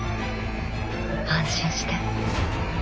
安心して。